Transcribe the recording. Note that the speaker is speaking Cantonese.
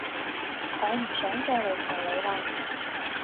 我唔想再嚟求你喇